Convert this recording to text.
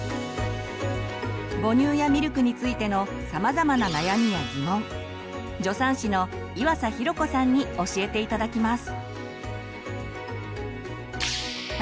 母乳やミルクについてのさまざまな悩みやギモン助産師の岩佐寛子さんに教えて頂きます。